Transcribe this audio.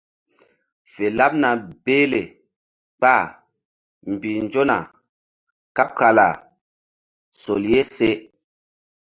Fe laɓna behle kpah mbih nzona kaɓ kala sol ye se.